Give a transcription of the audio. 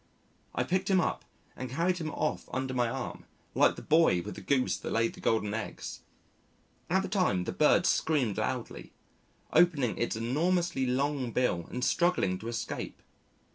I picked him up and carried him off under my arm, like the boy with the Goose that laid the golden eggs. All the time, the bird screamed loudly, opening its enormously long bill and struggling to escape.